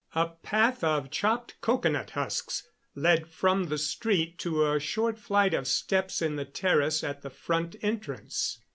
A path of chopped coconut husks led from the street to a short flight of steps in the terrace at the front entrance.